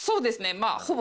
まあほぼ。